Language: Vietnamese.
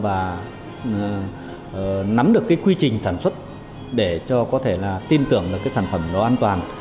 và nắm được cái quy trình sản xuất để cho có thể là tin tưởng là cái sản phẩm nó an toàn